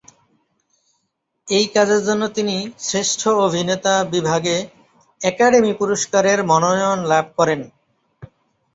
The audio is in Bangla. এই কাজের জন্য তিনি শ্রেষ্ঠ অভিনেতা বিভাগে একাডেমি পুরস্কারের মনোনয়ন লাভ করেন।